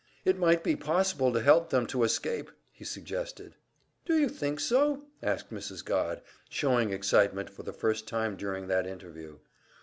"It might be possible to help them to escape," he suggested. "Do you think so?" asked Mrs. Godd, showing excitement for the first time during that interview.